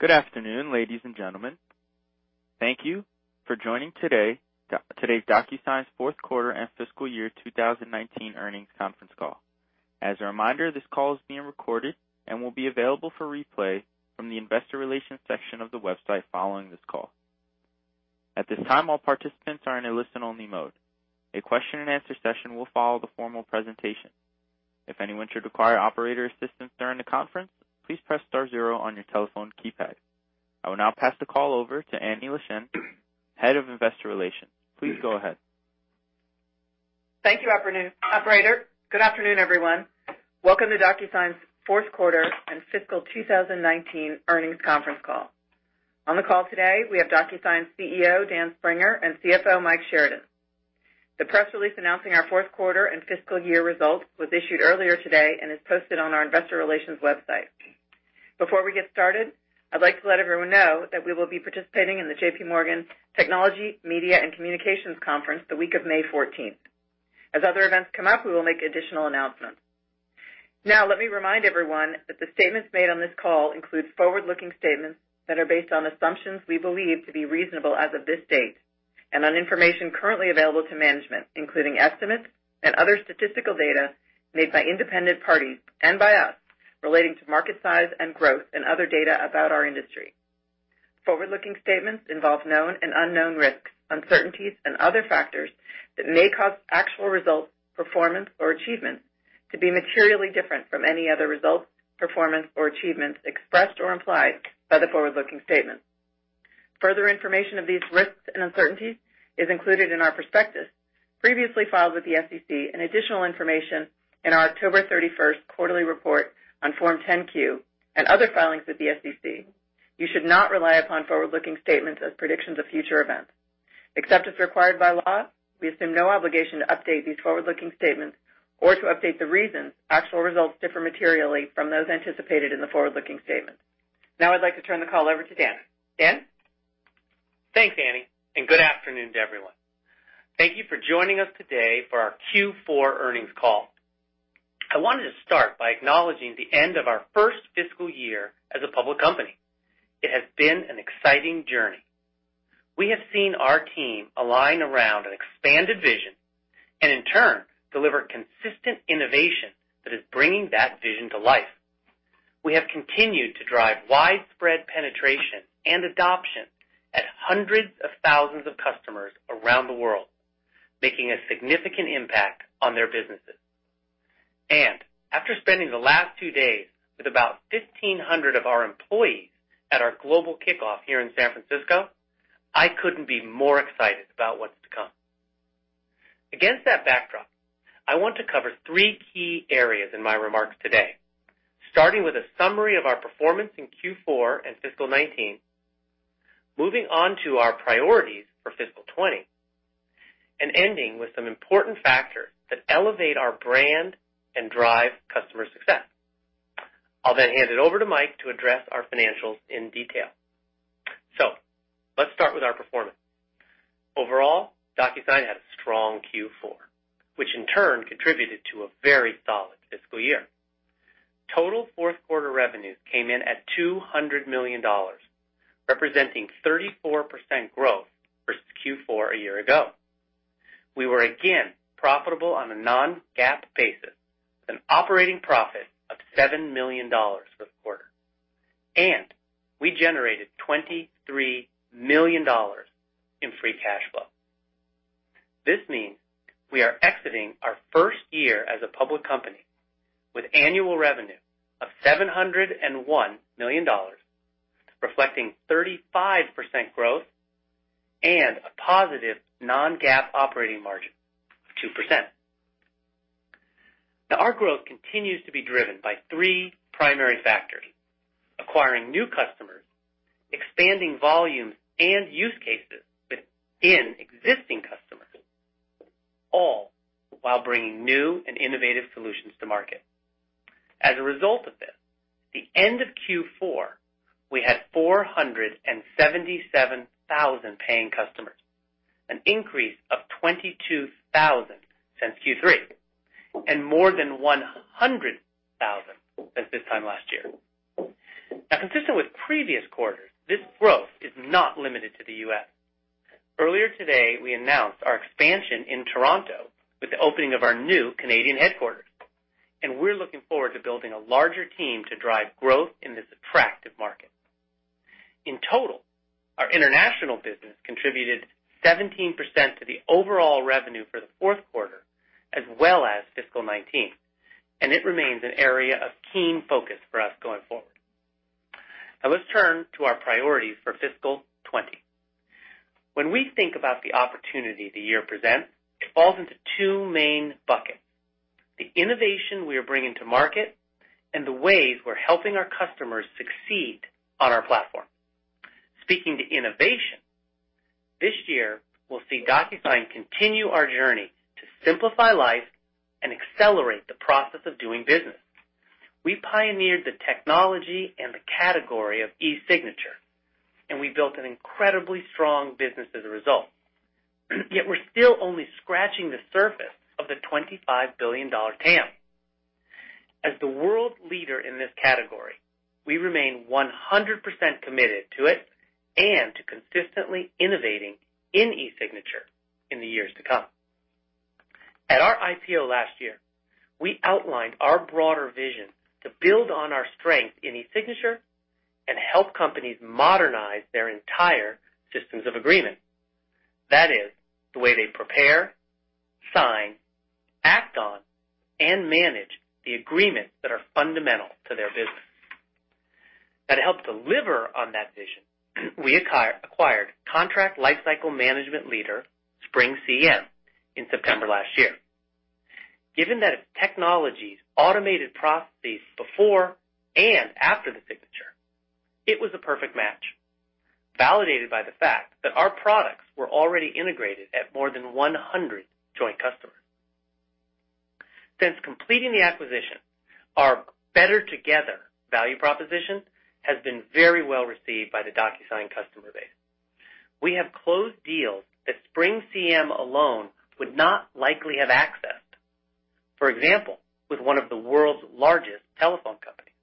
Good afternoon, ladies and gentlemen. Thank you for joining today's DocuSign's fourth quarter and fiscal year 2019 earnings conference call. As a reminder, this call is being recorded and will be available for replay from the investor relations section of the website following this call. At this time, all participants are in a listen-only mode. A question and answer session will follow the formal presentation. If anyone should require operator assistance during the conference, please press star zero on your telephone keypad. I will now pass the call over to Annie Leschin, head of investor relations. Please go ahead. Thank you, operator. Good afternoon, everyone. Welcome to DocuSign's fourth quarter and fiscal 2019 earnings conference call. On the call today, we have DocuSign CEO, Dan Springer, and CFO, Mike Sheridan. The press release announcing our fourth quarter and fiscal year results was issued earlier today and is posted on our investor relations website. Before we get started, I'd like to let everyone know that we will be participating in the JPMorgan Technology, Media, and Communications Conference the week of May 14th. As other events come up, we will make additional announcements. Let me remind everyone that the statements made on this call include forward-looking statements that are based on assumptions we believe to be reasonable as of this date, and on information currently available to management, including estimates and other statistical data made by independent parties and by us relating to market size and growth and other data about our industry. Forward-looking statements involve known and unknown risks, uncertainties, and other factors that may cause actual results, performance, or achievements to be materially different from any other results, performance, or achievements expressed or implied by the forward-looking statements. Further information of these risks and uncertainties is included in our prospectus previously filed with the SEC and additional information in our October 31st quarterly report on Form 10-Q and other filings with the SEC. You should not rely upon forward-looking statements as predictions of future events. Except as required by law, we assume no obligation to update these forward-looking statements or to update the reasons actual results differ materially from those anticipated in the forward-looking statements. I'd like to turn the call over to Dan. Dan? Thanks, Annie, and good afternoon to everyone. Thank you for joining us today for our Q4 earnings call. I wanted to start by acknowledging the end of our first fiscal year as a public company. It has been an exciting journey. We have seen our team align around an expanded vision and, in turn, deliver consistent innovation that is bringing that vision to life. We have continued to drive widespread penetration and adoption at hundreds of thousands of customers around the world, making a significant impact on their businesses. And after spending the last two days with about 1,500 of our employees at our global kickoff here in San Francisco, I couldn't be more excited about what's to come. Against that backdrop, I want to cover three key areas in my remarks today. Starting with a summary of our performance in Q4 and fiscal 2019, moving on to our priorities for fiscal 2020, and ending with some important factors that elevate our brand and drive customer success. I'll then hand it over to Mike to address our financials in detail. Let's start with our performance. Overall, DocuSign had a strong Q4, which in turn contributed to a very solid fiscal year. Total fourth quarter revenues came in at $200 million, representing 34% growth versus Q4 a year ago. We were again profitable on a non-GAAP basis, with an operating profit of $7 million for the quarter. We generated $23 million in free cash flow. This means we are exiting our first year as a public company with annual revenue of $701 million, reflecting 35% growth and a positive non-GAAP operating margin of 2%. Our growth continues to be driven by three primary factors, acquiring new customers, expanding volumes and use cases within existing customers, all while bringing new and innovative solutions to market. As a result of this, at the end of Q4, we had 477,000 paying customers, an increase of 22,000 since Q3, and more than 100,000 since this time last year. Consistent with previous quarters, this growth is not limited to the U.S. Earlier today, we announced our expansion in Toronto with the opening of our new Canadian headquarters, and we're looking forward to building a larger team to drive growth in this attractive market. In total, our international business contributed 17% to the overall revenue for the fourth quarter as well as fiscal 2019, and it remains an area of keen focus for us going forward. Let's turn to our priorities for fiscal 2020. When we think about the opportunity the year presents, it falls into two main buckets, the innovation we are bringing to market and the ways we're helping our customers succeed on our platform. Speaking to innovation, this year, we'll see DocuSign continue our journey to simplify life and accelerate the process of doing business. We pioneered the technology and the category of eSignature, and we built an incredibly strong business as a result. Yet we're still only scratching the surface of the $25 billion TAM. As the world leader in this category, we remain 100% committed to it and to consistently innovating in eSignature in the years to come. At our IPO last year, we outlined our broader vision to build on our strength in eSignature and help companies modernize their entire System of Agreement. That is, the way they prepare, sign, act on, and manage the agreements that are fundamental to their business. That help deliver on that vision, we acquired contract lifecycle management leader SpringCM in September last year. Given that its technologies automated processes before and after the signature, it was a perfect match, validated by the fact that our products were already integrated at more than 100 joint customers. Since completing the acquisition, our Better Together value proposition has been very well-received by the DocuSign customer base. We have closed deals that SpringCM alone would not likely have accessed. For example, with one of the world's largest telephone companies.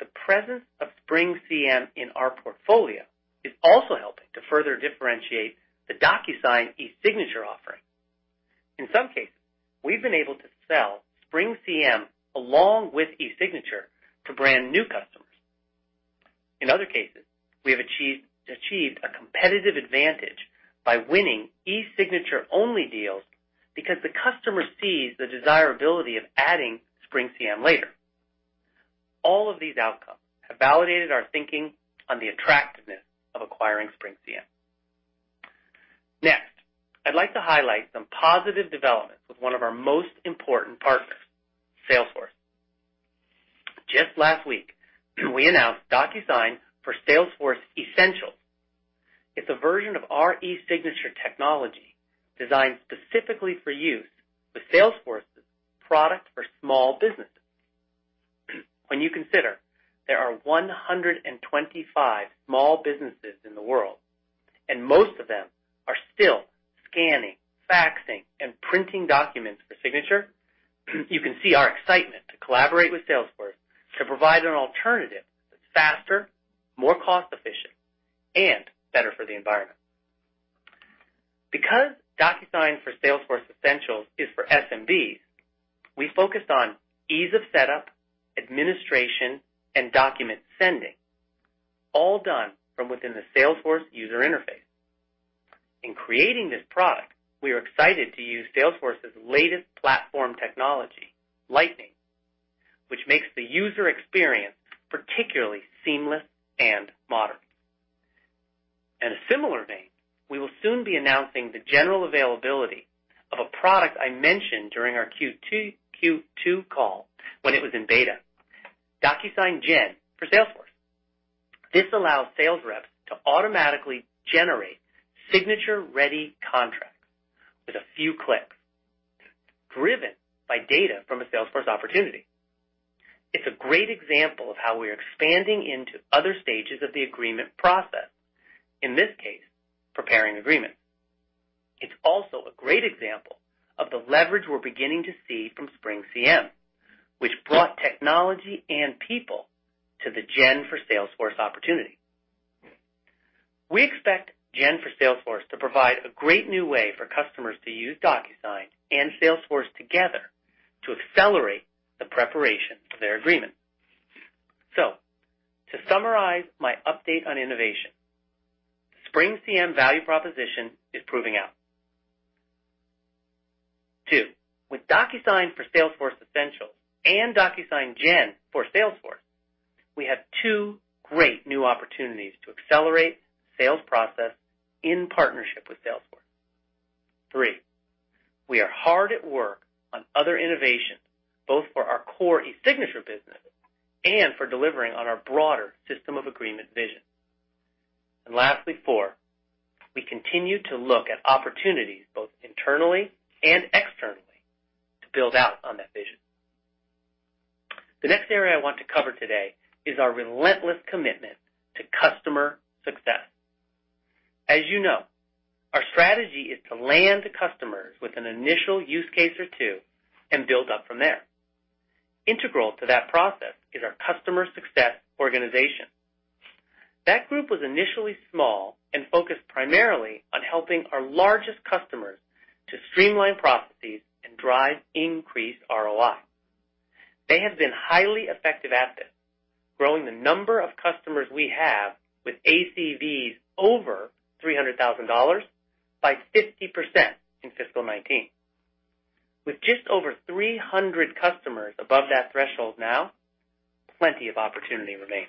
The presence of SpringCM in our portfolio is also helping to further differentiate the DocuSign eSignature offering. In some cases, we've been able to sell SpringCM along with eSignature to brand new customers. In other cases, we have achieved a competitive advantage by winning eSignature-only deals because the customer sees the desirability of adding SpringCM later. All of these outcomes have validated our thinking on the attractiveness of acquiring SpringCM. Next, I'd like to highlight some positive developments with one of our most important partners, Salesforce. Just last week, we announced DocuSign for Salesforce Essentials. It's a version of our eSignature technology designed specifically for use with Salesforce's product for small businesses. When you consider there are 125 small businesses in the world, and most of them are still scanning, faxing, and printing documents for signature, you can see our excitement to collaborate with Salesforce to provide an alternative that's faster, more cost-efficient, and better for the environment. Because DocuSign for Salesforce Essentials is for SMBs, we focused on ease of setup, administration, and document sending, all done from within the Salesforce user interface. In creating this product, we are excited to use Salesforce's latest platform technology, Lightning, which makes the user experience particularly seamless and modern. In a similar vein, we will soon be announcing the general availability of a product I mentioned during our Q2 call when it was in beta, DocuSign Gen for Salesforce. This allows sales reps to automatically generate signature-ready contracts with a few clicks, driven by data from a Salesforce opportunity. It's a great example of how we're expanding into other stages of the agreement process, in this case, preparing agreement. It's also a great example of the leverage we're beginning to see from SpringCM, which brought technology and people to the Gen for Salesforce opportunity. We expect Gen for Salesforce to provide a great new way for customers to use DocuSign and Salesforce together to accelerate the preparation of their agreement. To summarize my update on innovation, SpringCM value proposition is proving out. Two, with DocuSign for Salesforce Essentials and DocuSign Gen for Salesforce, we have two great new opportunities to accelerate sales process in partnership with Salesforce. Three, we are hard at work on other innovations, both for our core eSignature business and for delivering on our broader system of agreement vision. Lastly, four, we continue to look at opportunities, both internally and externally, to build out on that vision. The next area I want to cover today is our relentless commitment to customer success. As you know, our strategy is to land customers with an initial use case or two and build up from there. Integral to that process is our customer success organization. That group was initially small and focused primarily on helping our largest customers to streamline processes and drive increased ROI. They have been highly effective at this, growing the number of customers we have with ACVs over $300,000 by 50% in fiscal 2019. With just over 300 customers above that threshold now, plenty of opportunity remains.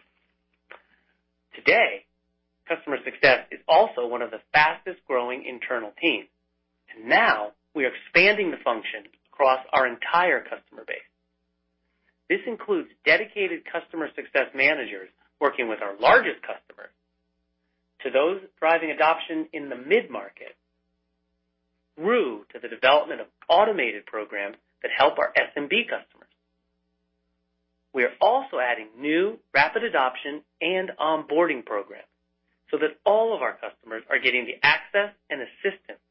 Now we are expanding the function across our entire customer base. This includes dedicated customer success managers working with our largest customers to those driving adoption in the mid-market, through to the development of automated programs that help our SMB customers. We are also adding new rapid adoption and onboarding programs so that all of our customers are getting the access and assistance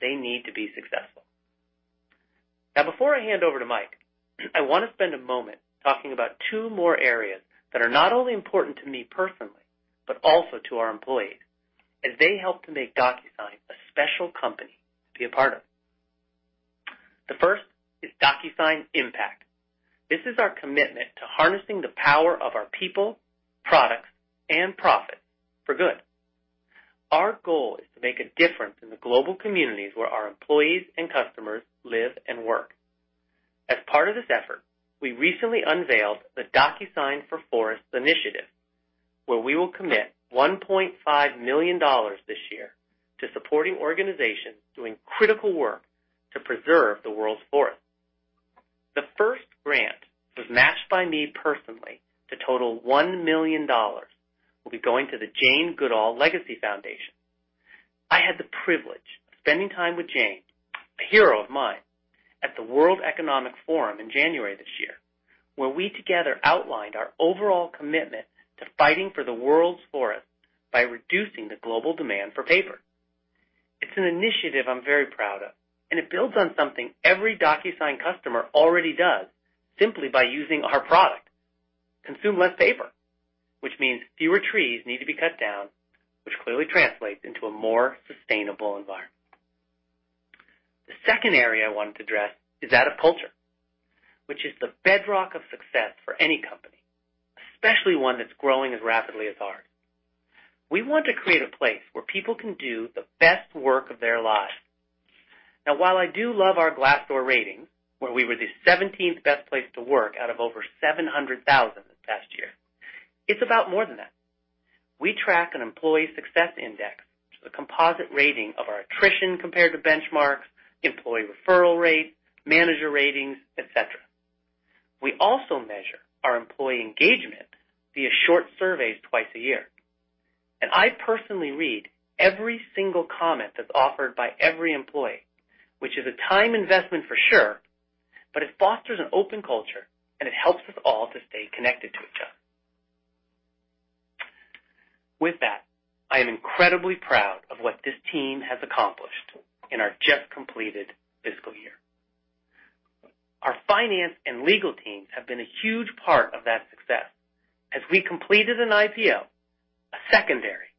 they need to be successful. Now, before I hand over to Mike, I want to spend a moment talking about two more areas that are not only important to me personally, but also to our employees, as they help to make DocuSign a special company to be a part of. The first is DocuSign IMPACT. This is our commitment to harnessing the power of our people, products, and profit for good. Our goal is to make a difference in the global communities where our employees and customers live and work. As part of this effort, we recently unveiled the DocuSign for Forests initiative, where we will commit $1.5 million this year to supporting organizations doing critical work to preserve the world's forests. The first grant was matched by me personally to total $1 million, will be going to the Jane Goodall Legacy Foundation. I had the privilege of spending time with Jane, a hero of mine, at the World Economic Forum in January this year, where we together outlined our overall commitment to fighting for the world's forests by reducing the global demand for paper. It's an initiative I'm very proud of, and it builds on something every DocuSign customer already does simply by using our product. Consume less paper, which means fewer trees need to be cut down, which clearly translates into a more sustainable environment. The second area I wanted to address is that of culture, which is the bedrock of success for any company, especially one that's growing as rapidly as ours. We want to create a place where people can do the best work of their lives. Now, while I do love our Glassdoor rating, where we were the 17th best place to work out of over 700,000 this past year, it's about more than that. We track an Employee Success Index, which is a composite rating of our attrition compared to benchmarks, employee referral rates, manager ratings, et cetera. We also measure our employee engagement via short surveys twice a year. I personally read every single comment that's offered by every employee, which is a time investment for sure. It fosters an open culture, and it helps us all to stay connected to each other. With that, I am incredibly proud of what this team has accomplished in our just completed fiscal year. Our finance and legal teams have been a huge part of that success as we completed an IPO, a secondary,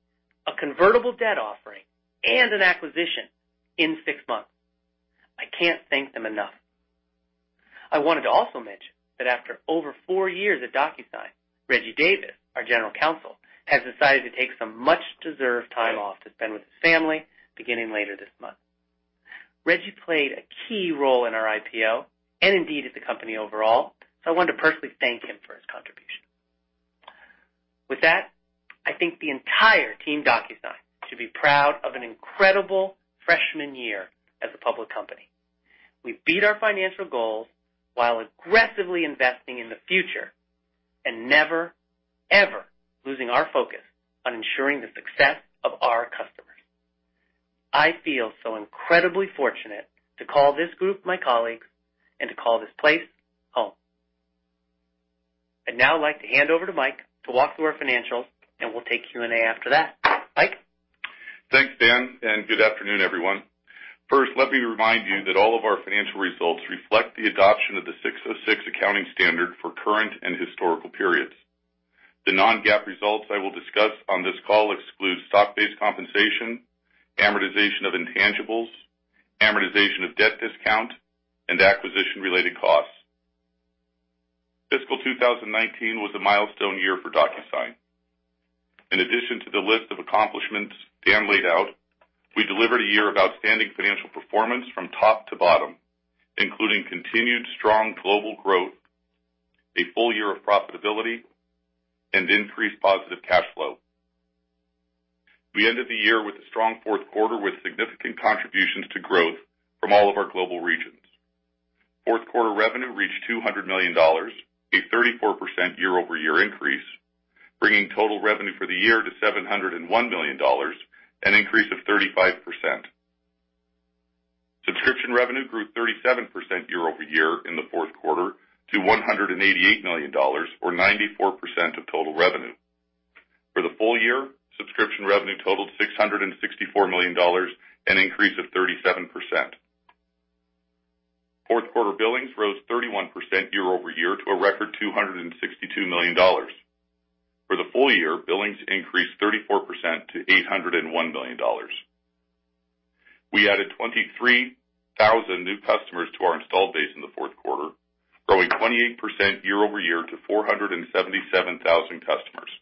a convertible debt offering, and an acquisition in six months. I can't thank them enough. I wanted to also mention that after over four years at DocuSign, Reggie Davis, our General Counsel, has decided to take some much-deserved time off to spend with his family beginning later this month. Reggie played a key role in our IPO and indeed at the company overall. I wanted to personally thank him for his contribution. With that, I think the entire team DocuSign should be proud of an incredible freshman year as a public company. We beat our financial goals while aggressively investing in the future and never losing our focus on ensuring the success of our customers. I feel so incredibly fortunate to call this group my colleagues and to call this place home. I'd now like to hand over to Mike to walk through our financials. We'll take Q&A after that. Mike? Thanks, Dan, and good afternoon, everyone. First, let me remind you that all of our financial results reflect the adoption of the 606 accounting standard for current and historical periods. The non-GAAP results I will discuss on this call exclude stock-based compensation, amortization of intangibles, amortization of debt discount, and acquisition-related costs. Fiscal 2019 was a milestone year for DocuSign. In addition to the list of accomplishments Dan laid out, we delivered a year of outstanding financial performance from top to bottom, including continued strong global growth, a full year of profitability, and increased positive cash flow. We ended the year with a strong fourth quarter with significant contributions to growth from all of our global regions. Fourth quarter revenue reached $200 million, a 34% year-over-year increase, bringing total revenue for the year to $701 million, an increase of 35%. Subscription revenue grew 37% year-over-year in the fourth quarter to $188 million or 94% of total revenue. For the full year, subscription revenue totaled $664 million, an increase of 37%. Fourth quarter billings rose 31% year-over-year to a record $262 million. For the full year, billings increased 34% to $801 million. We added 23,000 new customers to our installed base in the fourth quarter, growing 28% year-over-year to 477,000 customers.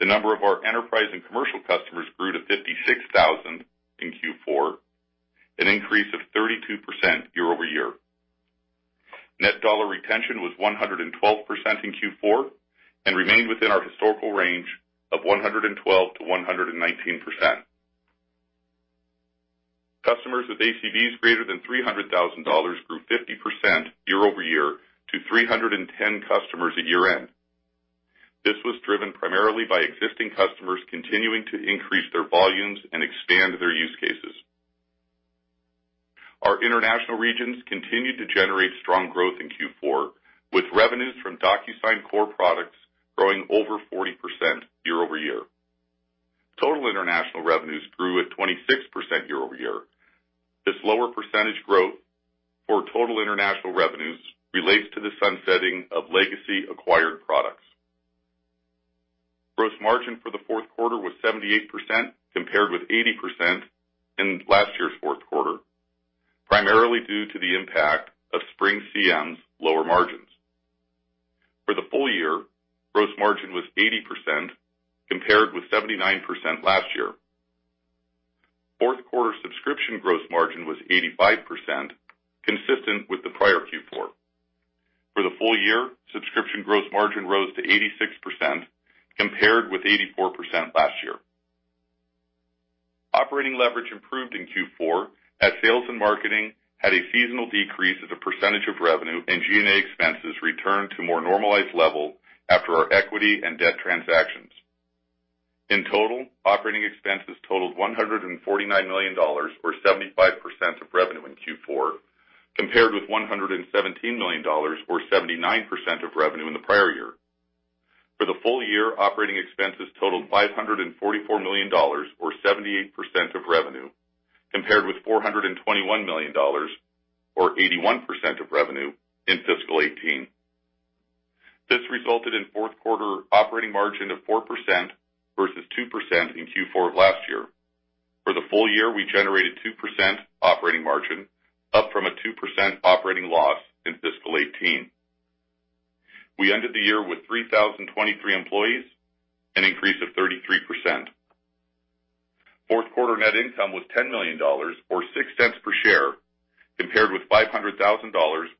The number of our enterprise and commercial customers grew to 56,000 in Q4, an increase of 32% year-over-year. Net dollar retention was 112% in Q4 and remained within our historical range of 112%-119%. Customers with ACVs greater than $300,000 grew 50% year-over-year to 310 customers at year-end. This was driven primarily by existing customers continuing to increase their volumes and expand their use cases. Our international regions continued to generate strong growth in Q4, with revenues from DocuSign core products growing over 40% year-over-year. Total international revenues grew at 26% year-over-year. This lower percentage growth for total international revenues relates to the sunsetting of legacy acquired products. Gross margin for the fourth quarter was 78%, compared with 80% in last year's fourth quarter, primarily due to the impact of SpringCM's lower margins. For the full year, gross margin was 80%, compared with 79% last year. Fourth quarter subscription gross margin was 85%, consistent with the prior Q4. For the full year, subscription gross margin rose to 86%, compared with 84% last year. Operating leverage improved in Q4 as sales and marketing had a seasonal decrease as a percentage of revenue and G&A expenses returned to more normalized level after our equity and debt transactions. In total, operating expenses totaled $149 million, or 75% of revenue in Q4, compared with $117 million or 79% of revenue in the prior year. For the full year, operating expenses totaled $544 million, or 78% of revenue, compared with $421 million, or 81% of revenue, in fiscal 2018. This resulted in fourth quarter operating margin of 4% versus 2% in Q4 last year. For the full year, we generated 2% operating margin, up from a 2% operating loss in fiscal 2018. We ended the year with 3,023 employees, an increase of 33%. Fourth quarter net income was $10 million, or $0.06 per share, compared with $500,000,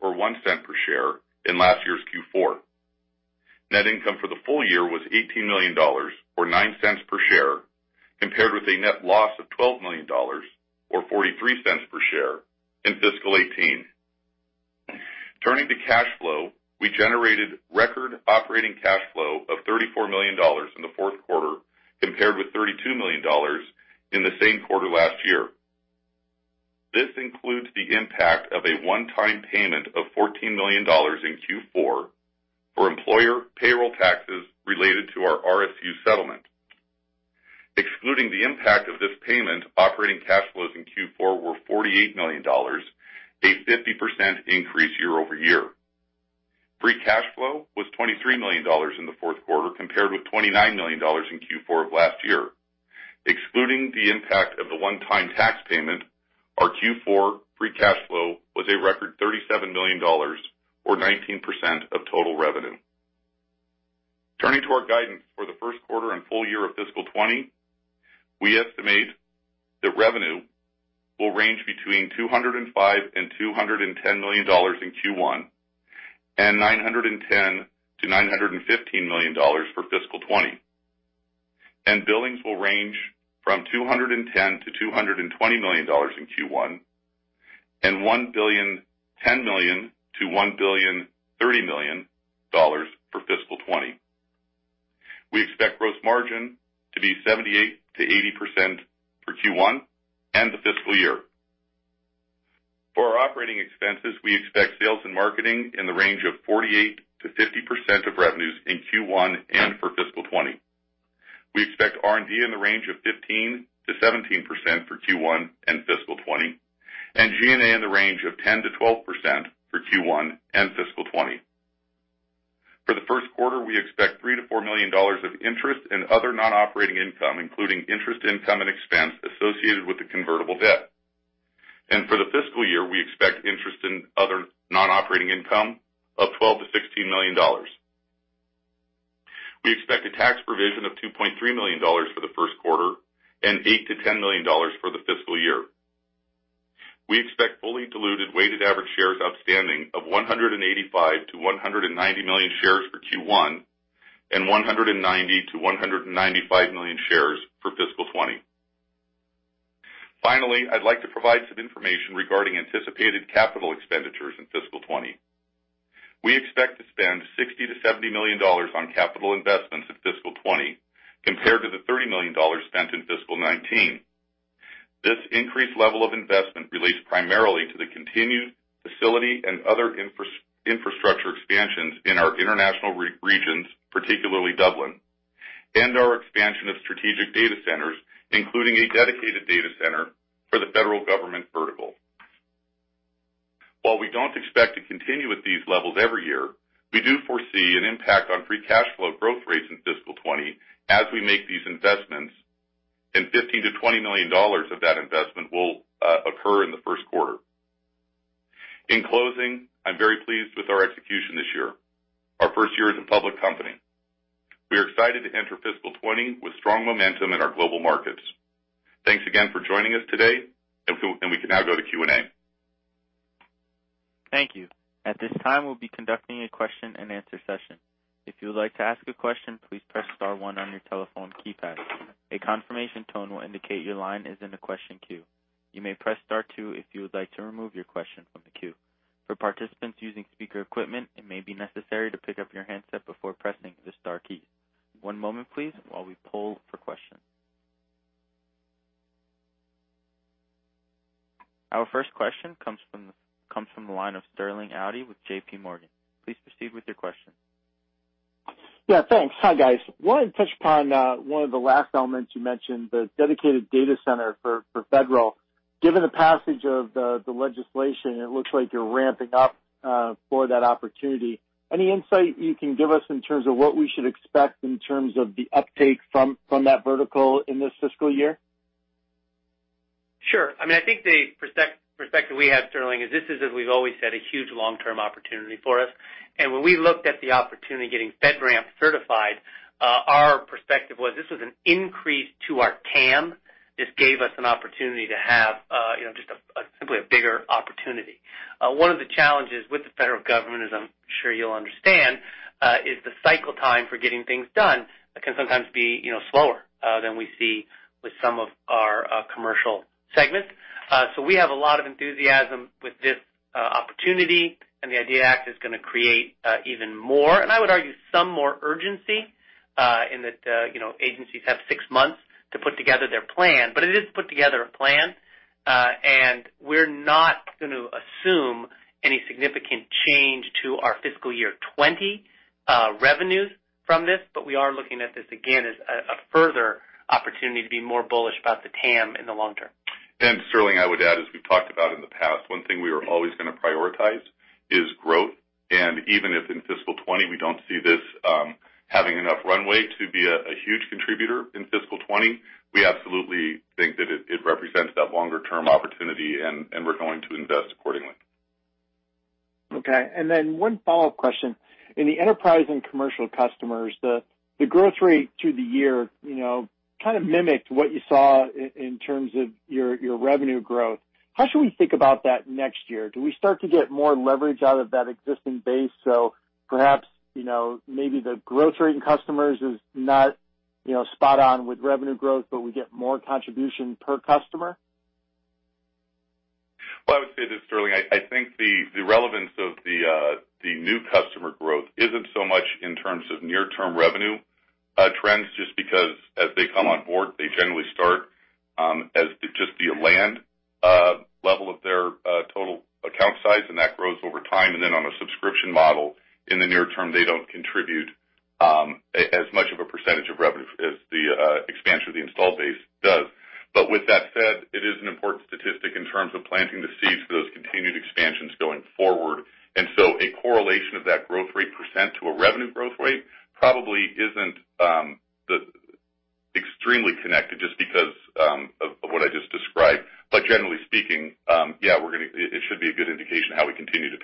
or $0.01 per share in last year's Q4. Net income for the full year was $18 million, or $0.09 per share, compared with a net loss of $12 million or $0.43 per share in fiscal 2018. Turning to cash flow, we generated record operating cash flow of $34 million in the fourth quarter, compared with $32 million in the same quarter last year. This includes the impact of a one-time payment of $14 million in Q4 for employer payroll taxes related to our RSU settlement. Excluding the impact of this payment, operating cash flows in Q4 were $48 million, a 50% increase year-over-year. Free cash flow was $23 million in the fourth quarter, compared with $29 million in Q4 of last year. Excluding the impact of the one-time tax payment, our Q4 free cash flow was a record $37 million, or 19% of total revenue. Turning to our guidance for the first quarter and full year of fiscal 2020, we estimate that revenue will range $205 million-$210 million in Q1, and $910 million-$915 million for fiscal 2020. Billings will range $210 million-$220 million in Q1, and $1.01 billion-$1.03 billion for fiscal 2020. We expect gross margin to be 78%-80% for Q1 and the fiscal year. For our operating expenses, we expect sales and marketing in the range of 48%-50% of revenues in Q1 and for fiscal 2020. We expect R&D in the range of 15%-17% for Q1 and fiscal 2020, and G&A in the range of 10%-12% for Q1 and fiscal 2020. For the first quarter, we expect $3 million-$4 million of interest in other non-operating income, including interest income and expense associated with the convertible debt. For the fiscal year, we expect interest in other non-operating income of $12 million-$16 million. We expect a tax provision of $2.3 million for the first quarter and $8 million-$10 million for the fiscal year. We expect fully diluted weighted average shares outstanding of 185 million-190 million shares for Q1 and 190 million-195 million shares for fiscal 2020. Finally, I'd like to provide some information regarding anticipated capital expenditures in fiscal 2020. We expect to spend $60 million-$70 million on capital investments in fiscal 2020 compared to the $30 million spent in fiscal 2019. This increased level of investment relates primarily to the continued facility and other infrastructure expansions in our international regions, particularly Dublin, and our expansion of strategic data centers, including a dedicated data center for the federal government vertical. While we don't expect to continue at these levels every year, we do foresee an impact on free cash flow growth rates in fiscal 2020 as we make these investments, and $15 million-$20 million of that investment will occur in the first quarter. In closing, I'm very pleased with our execution this year, our first year as a public company. We are excited to enter fiscal 2020 with strong momentum in our global markets. Thanks again for joining us today, and we can now go to Q&A. Thank you. At this time, we'll be conducting a question-and-answer session. If you would like to ask a question, please press star one on your telephone keypad. A confirmation tone will indicate your line is in the question queue. You may press star two if you would like to remove your question from the queue. For participants using speaker equipment, it may be necessary to pick up your handset before pressing the star key. One moment, please, while we poll for questions. Our first question comes from the line of Sterling Auty with JPMorgan. Please proceed with your question. Yeah, thanks. Hi, guys. Wanted to touch upon one of the last elements you mentioned, the dedicated data center for federal. Given the passage of the legislation, it looks like you're ramping up for that opportunity. Any insight you can give us in terms of what we should expect in terms of the uptake from that vertical in this fiscal year? Sure. I think the perspective we have, Sterling, is this is, as we've always said, a huge long-term opportunity for us. When we looked at the opportunity getting FedRAMP certified, our perspective was this was an increase to our TAM. This gave us an opportunity to have just simply a bigger opportunity. One of the challenges with the federal government, as I'm sure you'll understand, is the cycle time for getting things done can sometimes be slower than we see with some of our commercial segments. We have a lot of enthusiasm with this opportunity, and the IDEA Act is going to create even more, and I would argue some more urgency, in that agencies have six months to put together their plan. It is put together a plan, and we're not going to assume any significant change to our fiscal year 2020 revenues from this. We are looking at this again as a further opportunity to be more bullish about the TAM in the long term. Sterling, I would add, as we've talked about in the past, one thing we are always going to prioritize is growth. Even if in fiscal 2020 we don't see this having enough runway to be a huge contributor in fiscal 2020, we absolutely think that it represents that longer-term opportunity, and we're going to invest accordingly. Then one follow-up question. In the enterprise and commercial customers, the growth rate through the year kind of mimicked what you saw in terms of your revenue growth. How should we think about that next year? Do we start to get more leverage out of that existing base? Perhaps, maybe the growth rate in customers is not spot on with revenue growth, but we get more contribution per customer? Well, I would say this, Sterling. I think the relevance of the new customer growth isn't so much in terms of near-term revenue trends, just because as they come on board, they generally start as just the land level of their total account size, and that grows over time. Then on a subscription model, in the near term, they don't contribute as much of a percentage of revenue as the expansion of the installed base does. With that said, it is an important statistic in terms of planting the seeds for those continued expansions going forward. A correlation of that growth rate % to a revenue growth rate probably isn't extremely connected just because of what I just described. Generally speaking, yeah, it should be a good indication of how we continue to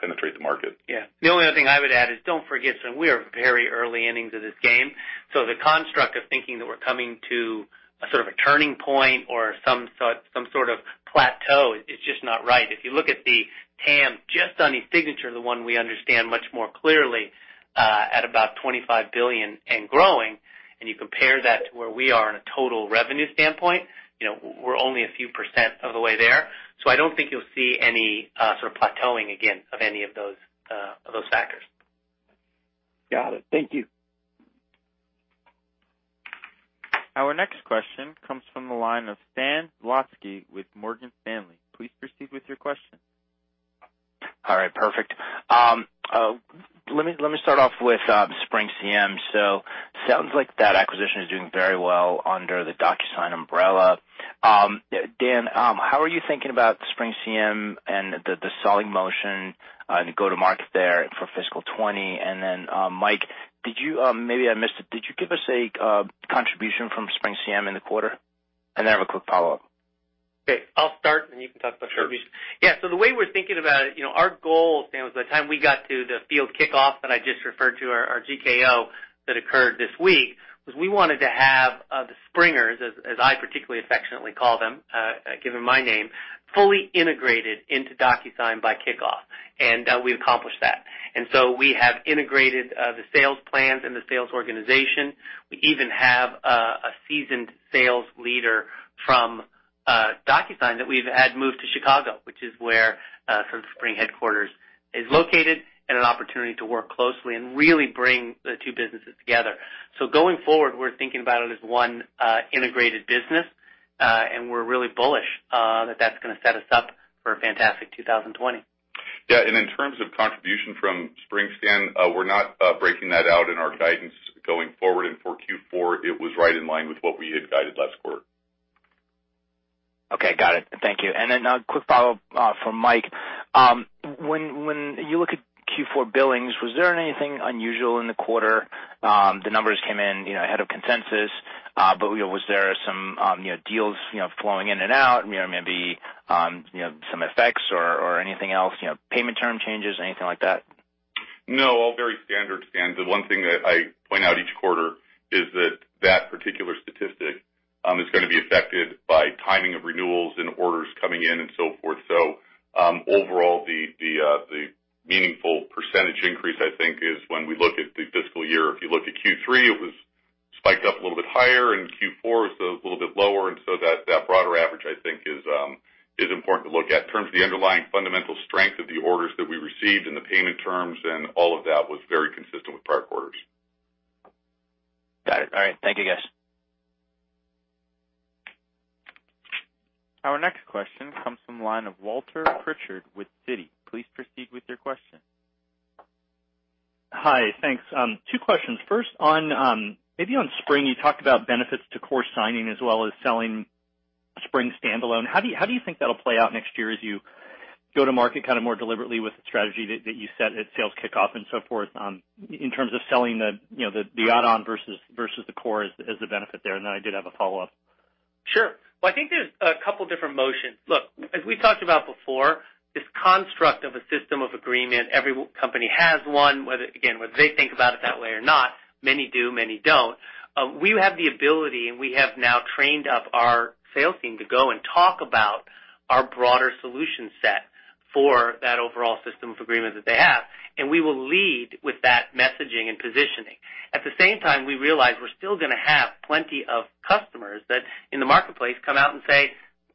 penetrate the market. Yeah. The only other thing I would add is don't forget, we are very early innings of this game. The construct of thinking that we're coming to a sort of a turning point or some sort of plateau is just not right. If you look at the TAM just on eSignature, the one we understand much more clearly, at about $25 billion and growing, and you compare that to where we are in a total revenue standpoint, we're only a few % of the way there. I don't think you'll see any sort of plateauing again of any of those factors. Got it. Thank you. Our next question comes from the line of Stan Zlotsky with Morgan Stanley. Please proceed with your question. All right. Perfect. Let me start off with SpringCM. Sounds like that acquisition is doing very well under the DocuSign umbrella. Dan, how are you thinking about SpringCM and the selling motion and go-to-market there for fiscal 2020? Mike, maybe I missed it, did you give us a contribution from SpringCM in the quarter? I have a quick follow-up. Okay. I'll start. You can talk about revenues. Yeah. The way we're thinking about it, our goal, Stan, was by the time we got to the field kickoff that I just referred to, our GKO that occurred this week, was we wanted to have the Springers, as I particularly affectionately call them given my name, fully integrated into DocuSign by kickoff, and we've accomplished that. We have integrated the sales plans and the sales organization. We even have a seasoned sales leader from DocuSign that we've had move to Chicago, which is where the Spring headquarters is located, and an opportunity to work closely and really bring the two businesses together. Going forward, we're thinking about it as one integrated business, and we're really bullish that that's gonna set us up for a fantastic 2020. Yeah. In terms of contribution from Spring, Stan, we're not breaking that out in our guidance going forward. For Q4, it was right in line with what we had guided last quarter. Okay. Got it. Thank you. A quick follow-up for Mike. When you look at Q4 billings, was there anything unusual in the quarter? The numbers came in ahead of consensus. Was there some deals flowing in and out? Maybe some effects or anything else? Payment term changes, anything like that? No, all very standard, Stan. The one thing that I point out each quarter is that that particular statistic is gonna be affected by timing of renewals and orders coming in and so forth. Overall, the meaningful percentage increase, I think, is when we look at the fiscal year. If you look at Q3, it was spiked up a little bit higher, and Q4 was a little bit lower. This broader average, I think, is important to look at. In terms of the underlying fundamental strength of the orders that we received and the payment terms and all of that was very consistent with prior quarters. Got it. All right. Thank you, guys. From the line of Walter Pritchard with Citi. Please proceed with your question. Hi. Thanks. Two questions. First, maybe on Spring, you talked about benefits to core signing as well as selling Spring standalone. How do you think that'll play out next year as you go to market more deliberately with the strategy that you set at sales kickoff and so forth, in terms of selling the add-on versus the core as the benefit there? I did have a follow-up. Sure. Well, I think there's a couple different motions. Look, as we talked about before, this construct of a System of Agreement, every company has one, again, whether they think about it that way or not. Many do, many don't. We have the ability, and we have now trained up our sales team to go and talk about our broader solution set for that overall System of Agreement that they have, and we will lead with that messaging and positioning. At the same time, we realize we're still going to have plenty of customers that, in the marketplace, come out and say,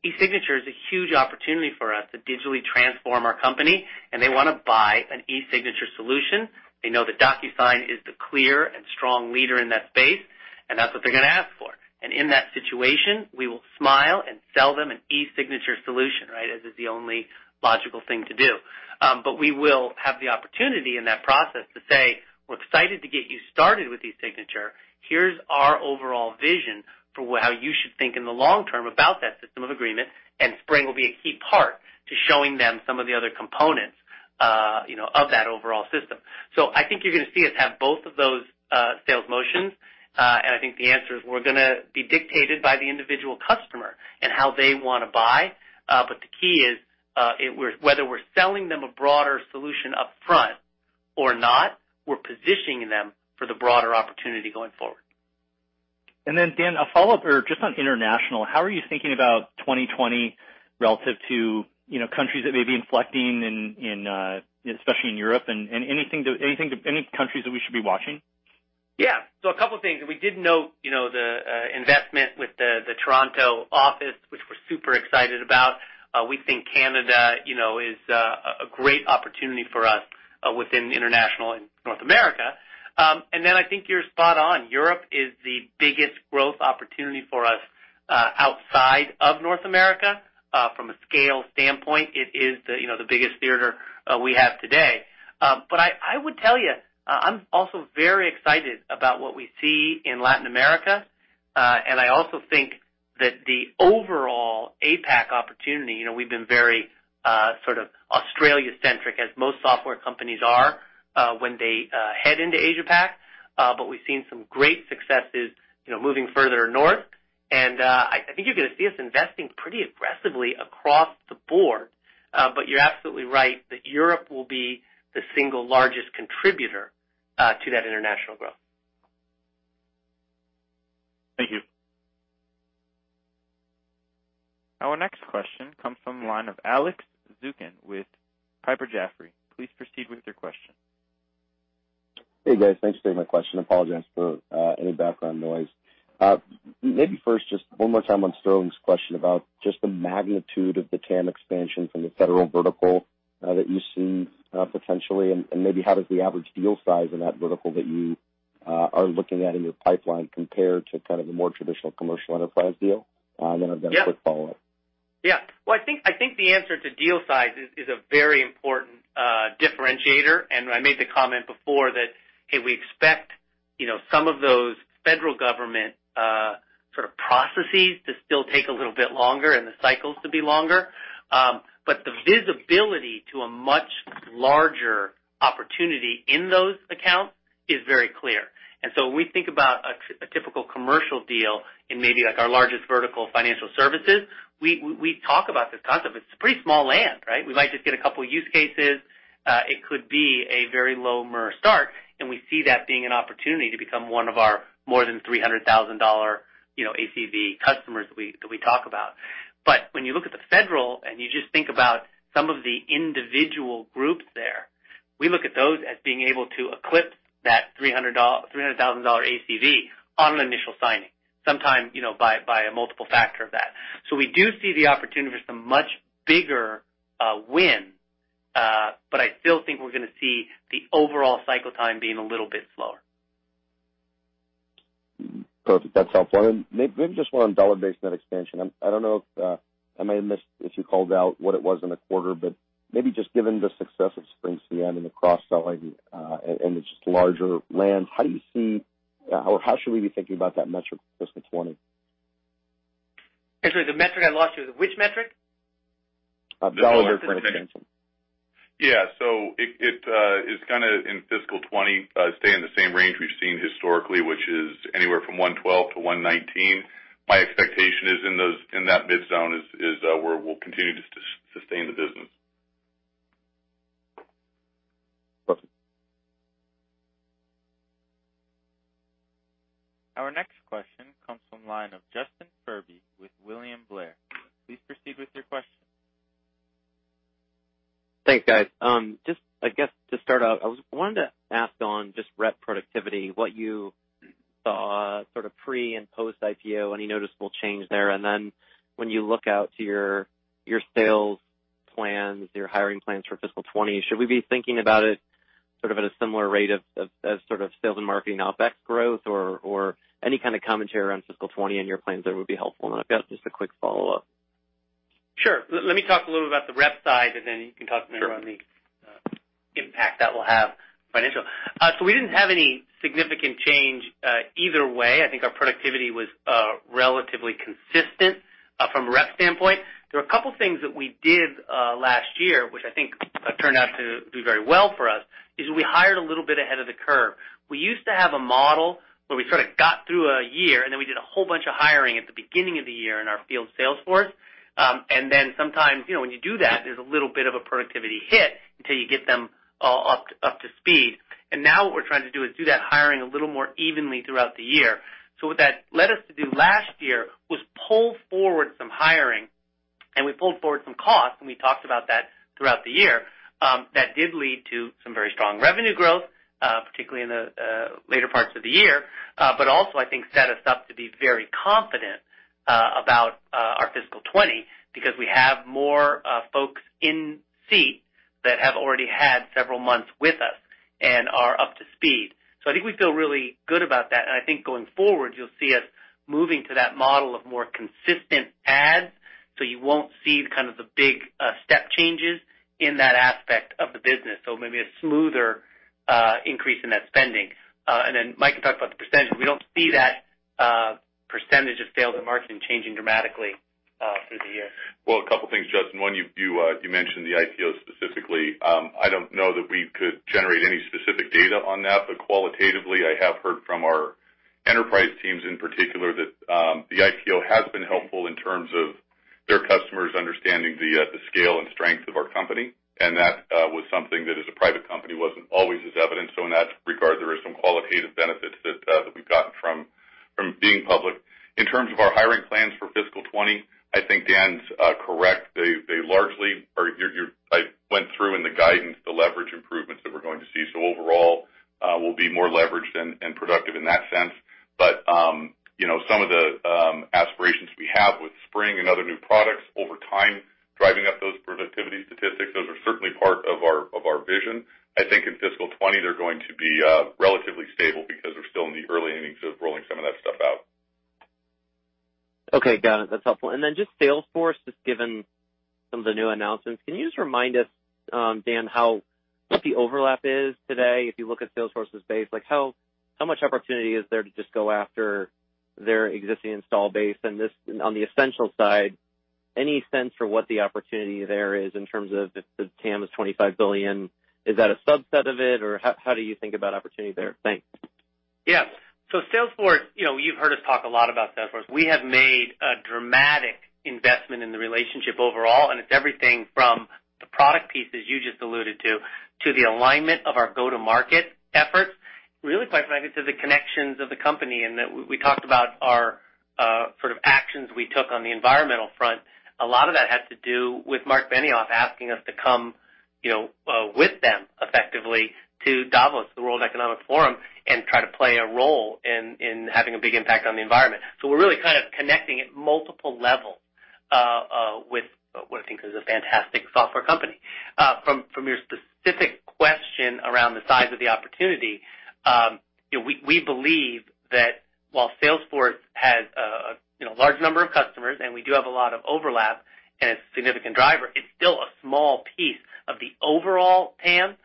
"eSignature is a huge opportunity for us to digitally transform our company," and they want to buy an eSignature solution. They know that DocuSign is the clear and strong leader in that space, and that's what they're going to ask for. In that situation, we will smile and sell them an eSignature solution, right? As is the only logical thing to do. We will have the opportunity in that process to say, "We're excited to get you started with eSignature. Here's our overall vision for how you should think in the long term about that System of Agreement," and Spring will be a key part to showing them some of the other components of that overall system. I think you're going to see us have both of those sales motions. I think the answer is we're going to be dictated by the individual customer and how they want to buy. The key is, whether we're selling them a broader solution up front or not, we're positioning them for the broader opportunity going forward. Dan, a follow-up just on international. How are you thinking about 2020 relative to countries that may be inflecting, especially in Europe? Any countries that we should be watching? A couple of things. We did note the investment with the Toronto office, which we're super excited about. We think Canada is a great opportunity for us within international and North America. I think you're spot on. Europe is the biggest growth opportunity for us outside of North America. From a scale standpoint, it is the biggest theater we have today. I would tell you, I'm also very excited about what we see in Latin America. I also think that the overall APAC opportunity, we've been very Australia-centric, as most software companies are when they head into Asia-Pac. We've seen some great successes moving further north, and I think you're going to see us investing pretty aggressively across the board. You're absolutely right that Europe will be the single largest contributor to that international growth. Thank you. Our next question comes from the line of Alex Zukin with Piper Jaffray. Please proceed with your question. Hey, guys. Thanks for taking my question. I apologize for any background noise. Maybe first, just one more time on Sterling's question about just the magnitude of the TAM expansion from the federal vertical that you see potentially, and maybe how does the average deal size in that vertical that you are looking at in your pipeline compare to the more traditional commercial enterprise deal? I've got a quick follow-up. Yeah. Well, I think the answer to deal size is a very important differentiator, and I made the comment before that, hey, we expect some of those federal government processes to still take a little bit longer and the cycles to be longer. The visibility to a much larger opportunity in those accounts is very clear. When we think about a typical commercial deal in maybe our largest vertical financial services, we talk about this concept. It's a pretty small land, right? We might just get a couple use cases. It could be a very low MRR start, and we see that being an opportunity to become one of our more than $300,000 ACV customers that we talk about. When you look at the federal and you just think about some of the individual groups there, we look at those as being able to eclipse that $300,000 ACV on an initial signing, sometimes by a multiple factor of that. We do see the opportunity for some much bigger win, but I still think we're going to see the overall cycle time being a little bit slower. Perfect. That's helpful. Maybe just one on dollar-based net expansion. I don't know, I may have missed if you called out what it was in the quarter, but maybe just given the success of SpringCM and the cross-selling and the just larger land, how should we be thinking about that metric, fiscal 2020? Actually, the metric, I lost you. Which metric? Dollar-based net expansion. Yeah. It is kind of in fiscal 2020, stay in the same range we've seen historically, which is anywhere from 112%-119%. My expectation is in that midzone is where we'll continue to sustain the business. Perfect. Our next question comes from the line of Justin Furby with William Blair. Please proceed with your question. Thanks, guys. Just, I guess to start out, I was wanting to ask on just rep productivity, what you saw pre and post-IPO, any noticeable change there? When you look out to your sales plans, your hiring plans for fiscal 2020, should we be thinking about it, sort of at a similar rate of sales and marketing OpEx growth or any kind of commentary around fiscal 2020 and your plans there would be helpful. I've got just a quick follow-up. Sure. Let me talk a little about the rep side, you can talk to me- Sure around the impact that will have financial. We didn't have any significant change either way. I think our productivity was relatively consistent from a rep standpoint. There were a couple things that we did last year, which I think turned out to do very well for us, is we hired a little bit ahead of the curve. We used to have a model where we sort of got through a year, we did a whole bunch of hiring at the beginning of the year in our field sales force. Sometimes, when you do that, there's a little bit of a productivity hit until you get them all up to speed. Now what we're trying to do is do that hiring a little more evenly throughout the year. What that led us to do last year was pull forward some hiring. We pulled forward some costs, and we talked about that throughout the year. That did lead to some very strong revenue growth, particularly in the later parts of the year. I think set us up to be very confident about our fiscal 2020 because we have more folks in seat that have already had several months with us and are up to speed. I think we feel really good about that. I think going forward, you will see us moving to that model of more consistent adds. You will not see kind of the big step changes in that aspect of the business. Maybe a smoother increase in that spending. Mike can talk about the percentage. We do not see that percentage of sales and marketing changing dramatically through the years. Well, a couple things, Justin. One, you mentioned the IPO specifically. I do not know that we could generate any specific data on that. Qualitatively, I have heard from our enterprise teams in particular that the IPO has been helpful in terms of their customers understanding the scale and strength of our company. That was something that, as a private company, was not always as evident. In that regard, there is some qualitative benefits that we have gotten from being public. In terms of our hiring plans for fiscal 2020, I think Dan's correct. I went through in the guidance the leverage improvements that we are going to see. Overall, we will be more leveraged and productive in that sense. Some of the aspirations we have with Spring and other new products over time, driving up those productivity statistics, those are certainly part of our vision. I think in fiscal 2020, they are going to be relatively stable because we are still in the early innings of rolling some of that stuff out. Okay, got it. That's helpful. Then just Salesforce, just given some of the new announcements, can you just remind us, Dan, what the overlap is today? If you look at Salesforce's base, how much opportunity is there to just go after their existing install base and on the Essentials side, any sense for what the opportunity there is in terms of if the TAM is $25 billion, is that a subset of it, or how do you think about opportunity there? Thanks. Yeah. Salesforce, you've heard us talk a lot about Salesforce. We have made a dramatic investment in the relationship overall, and it's everything from the product pieces you just alluded to the alignment of our go-to-market efforts, really, quite frankly, to the connections of the company. That we talked about our sort of actions we took on the environmental front. A lot of that had to do with Marc Benioff asking us to come with them effectively to Davos, the World Economic Forum, and try to play a role in having a big impact on the environment. We're really kind of connecting at multiple levels with what I think is a fantastic software company. From your specific question around the size of the opportunity, we believe that while Salesforce has a large number of customers, and we do have a lot of overlap, and it's a significant driver, it's still a small piece of the overall TAM.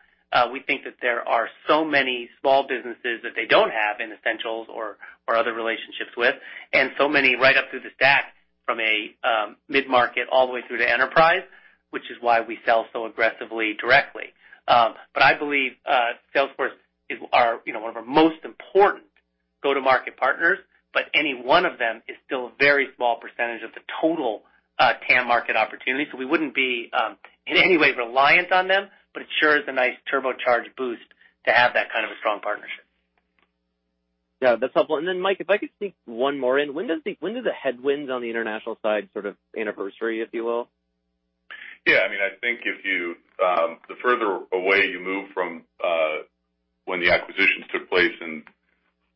We think that there are so many small businesses that they don't have in Essentials or other relationships with, and so many right up through the stack from a mid-market all the way through to enterprise, which is why we sell so aggressively directly. I believe Salesforce is one of our most important go-to-market partners, but any one of them is still a very small percentage of the total TAM market opportunity. We wouldn't be in any way reliant on them, but it sure is a nice turbocharged boost to have that kind of a strong partnership. Yeah, that's helpful. Then Mike, if I could sneak one more in. When do the headwinds on the international side sort of anniversary, if you will? Yeah. I think the further away you move from when the acquisitions took place and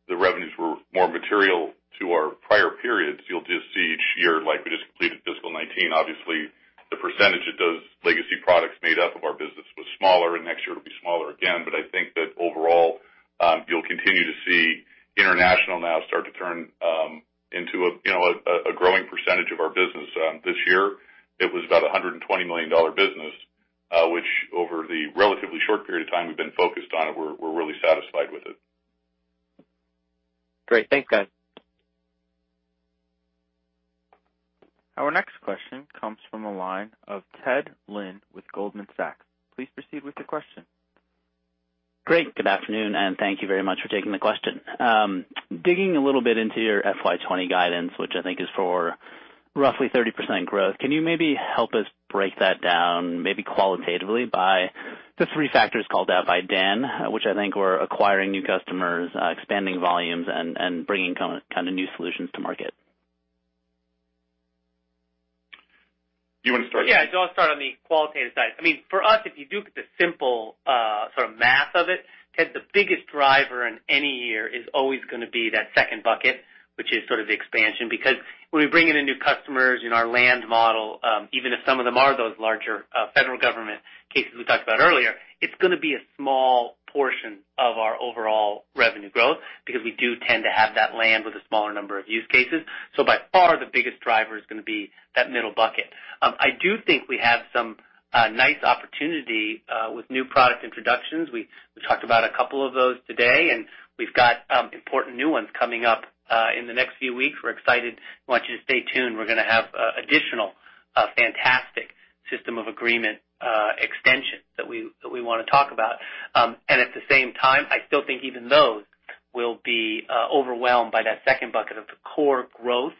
the revenues were more material to our prior periods, you'll just see each year, like we just completed fiscal 2019, obviously, the percentage of those legacy products made up of our business was smaller, and next year it'll be smaller again. I think that overall, you'll continue to see international now start to turn into a growing percentage of our business. This year, it was about $120 million business, which over the relatively short period of time we've been focused on it, we're really satisfied with it. Great. Thanks, guys. Our next question comes from the line of Ted Lin with Goldman Sachs. Please proceed with your question. Great. Good afternoon, and thank you very much for taking the question. Digging a little bit into your FY 2020 guidance, which I think is for roughly 30% growth, can you maybe help us break that down, maybe qualitatively by the three factors called out by Dan, which I think were acquiring new customers, expanding volumes, and bringing kind of new solutions to market? Do you want to start? Yeah. I'll start on the qualitative side. For us, if you do the simple sort of math of it-Ted, the biggest driver in any year is always going to be that second bucket, which is sort of the expansion. Because when we bring in the new customers in our land model, even if some of them are those larger federal government cases we talked about earlier, it's going to be a small portion of our overall revenue growth because we do tend to have that land with a smaller number of use cases. By far, the biggest driver is going to be that middle bucket. I do think we have some nice opportunity with new product introductions. We talked about a couple of those today, and we've got important new ones coming up in the next few weeks. We're excited. Want you to stay tuned. We're going to have additional fantastic System of Agreement extensions that we want to talk about. At the same time, I still think even those will be overwhelmed by that second bucket of the core growth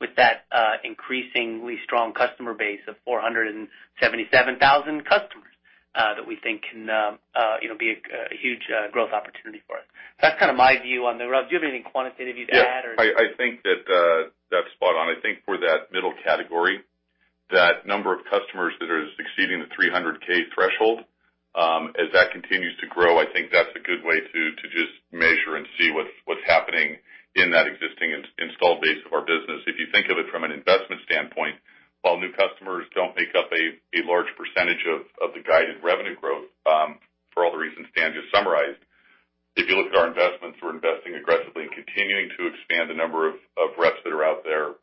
with that increasingly strong customer base of 477,000 customers that we think can be a huge growth opportunity for us. That's my view on that. Mike, do you have anything quantitative to add or. Yeah. I think that's spot on. I think for that middle category, that number of customers that is exceeding the 300K threshold, as that continues to grow, I think that's a good way to just measure and see what's happening in that existing installed base of our business. If you think of it from an investment standpoint, while new customers don't make up a large percentage of the guided revenue growth for all the reasons Dan just summarized, if you look at our investments, we're investing aggressively and continuing to expand the number of reps that are out there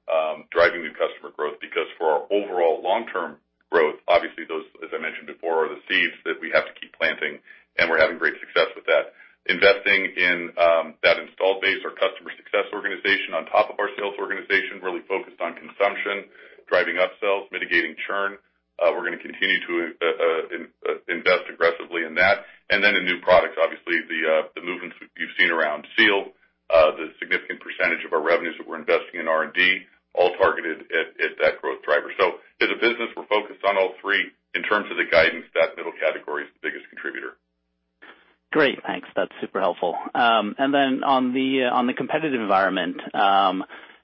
driving new customer growth. For our overall long-term growth, obviously those, as I mentioned before, are the seeds that we have to keep planting, and we're having great success with that. Investing in that installed base, our customer success organization on top of our sales organization, really focused on consumption, driving upsells, mitigating churn. We're going to continue to invest aggressively in that. In new products, obviously the movements you've seen around Seal, the significant percentage of our revenues that we're investing in R&D, all targeted at that growth driver. As a business, we're focused on all three. In terms of the guidance, that middle category is the biggest contributor. Great. Thanks. That's super helpful. On the competitive environment,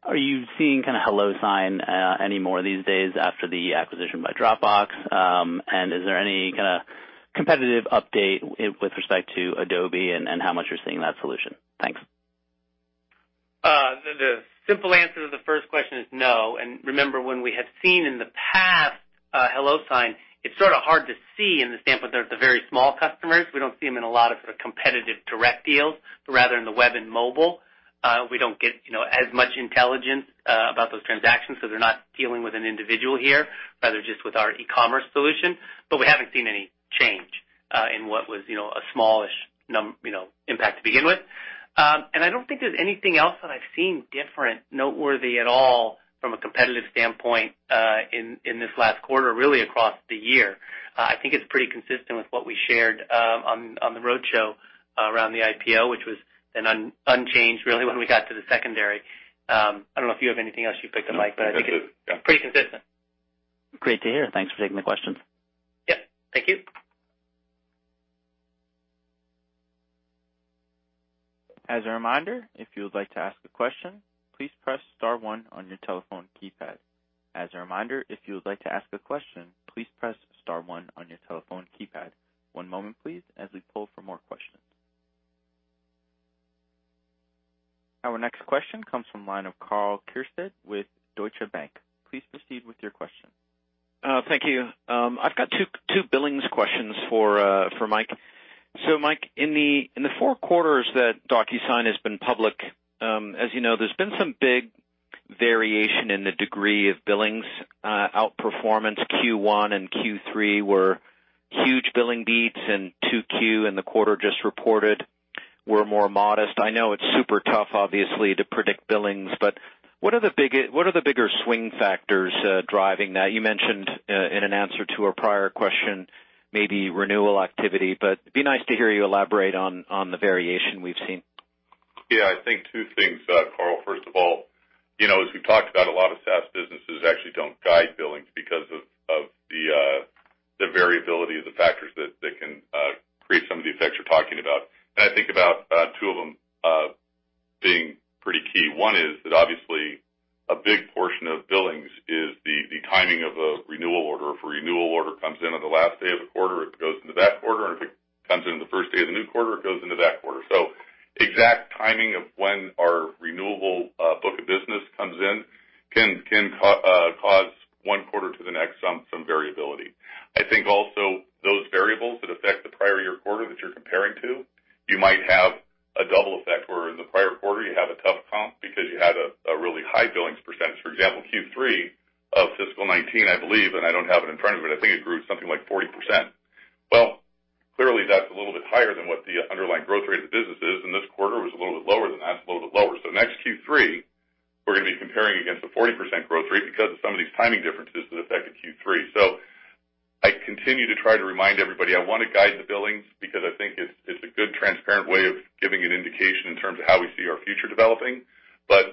are you seeing kind of HelloSign anymore these days after the acquisition by Dropbox? Is there any kind of competitive update with respect to Adobe and how much you're seeing that solution? Thanks. The simple answer to the first question is no. Remember when we had seen in the past HelloSign, it's sort of hard to see in the standpoint that they're the very small customers. We don't see them in a lot of competitive direct deals, rather in the web and mobile. We don't get as much intelligence about those transactions because they're not dealing with an individual here, rather just with our e-commerce solution. We haven't seen any change in what was a smallish impact to begin with. I don't think there's anything else that I've seen different noteworthy at all from a competitive standpoint in this last quarter, really across the year. I think it's pretty consistent with what we shared on the roadshow around the IPO, which was unchanged really when we got to the secondary. I don't know if you have anything else you picked up, Mike, I think it's pretty consistent. Great to hear. Thanks for taking the questions. Yeah. Thank you. As a reminder, if you would like to ask a question, please press star one on your telephone keypad. As a reminder, if you would like to ask a question, please press star one on your telephone keypad. One moment please as we pull for more questions. Our next question comes from line of Karl Keirstead with Deutsche Bank. Please proceed with your question. Thank you. I've got two billings questions for Mike. Mike, in the four quarters that DocuSign has been public, as you know, there's been some big variation in the degree of billings outperformance. Q1 and Q3 were huge billing beats, and 2Q and the quarter just reported were more modest. I know it's super tough, obviously, to predict billings, but what are the bigger swing factors driving that? You mentioned in an answer to a prior question, maybe renewal activity. It'd be nice to hear you elaborate on the variation we've seen. Yeah. I think two things, Karl. First of all, as we've talked about, a lot of SaaS businesses actually don't guide billings because of the variability of the factors that can create some of the effects you're talking about. I think about two of them being pretty key. One is that obviously a big portion of billings is the timing of a renewal order. If a renewal order comes in on the last day of a quarter, it goes into that quarter. If it comes in on the first day of the new quarter, it goes into that quarter. Exact timing of when our renewable book of business comes in can cause one quarter to the next some variability. I think also those variables that affect the prior year quarter that you're comparing to, you might have a double effect where in the prior quarter you have a tough count because you had a really high billings percentage. For example, Q3 of fiscal 2019, I believe, I don't have it in front of me, but I think it grew something like 40%. Clearly that's a little bit higher than what the underlying growth rate of the business is. This quarter was a little bit lower than that. Next Q3, we're going to be comparing against a 40% growth rate because of some of these timing differences that affected Q3. I continue to try to remind everybody, I want to guide the billings because I think it's a good transparent way of giving an indication in terms of how we see our future developing.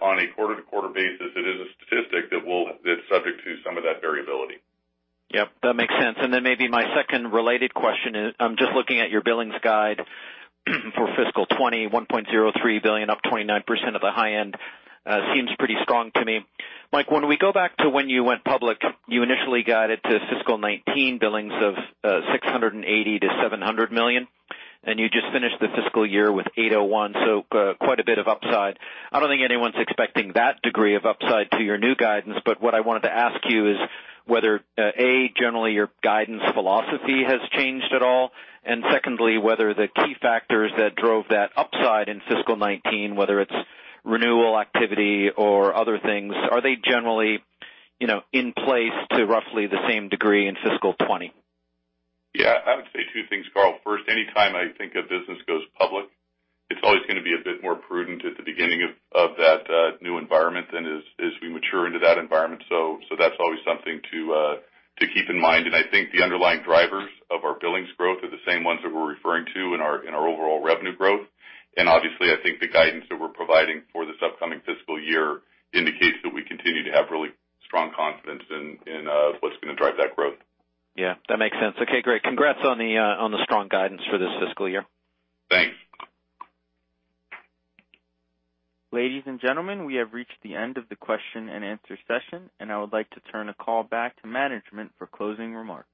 On a quarter-to-quarter basis, it is a statistic that's subject to some of that variability. Yep, that makes sense. Then maybe my second related question is, I'm just looking at your billings guide for fiscal 2020, $1.03 billion up 29% at the high end. Seems pretty strong to me. Mike, when we go back to when you went public, you initially guided to fiscal 2019 billings of $680 million-$700 million, and you just finished the fiscal year with $801 million. Quite a bit of upside. I don't think anyone's expecting that degree of upside to your new guidance, what I wanted to ask you is whether, A, generally your guidance philosophy has changed at all, and secondly, whether the key factors that drove that upside in fiscal 2019, whether it's renewal activity or other things, are they generally in place to roughly the same degree in fiscal 2020? Yeah. I would say two things, Karl. First, anytime I think a business goes public, it's always going to be a bit more prudent at the beginning of that new environment than as we mature into that environment. That's always something to keep in mind. I think the underlying drivers of our billings growth are the same ones that we're referring to in our overall revenue growth. Obviously, I think the guidance that we're providing for this upcoming fiscal year indicates that we continue to have really strong confidence in what's going to drive that growth. Yeah, that makes sense. Okay, great. Congrats on the strong guidance for this fiscal year. Thanks. Ladies and gentlemen, we have reached the end of the question-and-answer session, and I would like to turn the call back to management for closing remarks.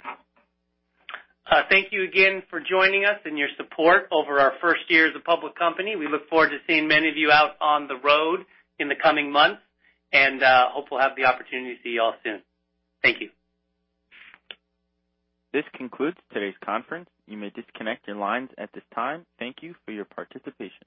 Thank you again for joining us and your support over our first year as a public company. We look forward to seeing many of you out on the road in the coming months and hope we'll have the opportunity to see you all soon. Thank you. This concludes today's conference. You may disconnect your lines at this time. Thank you for your participation.